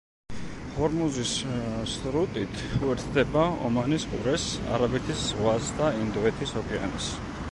ჰორმუზის სრუტით უერთდება ომანის ყურეს, არაბეთის ზღვას და ინდოეთის ოკეანეს.